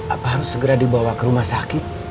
apa harus segera dibawa ke rumah sakit